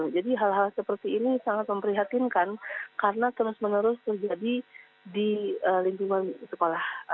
jadi hal hal seperti ini sangat memprihatinkan karena terus menerus terjadi di lingkungan sekolah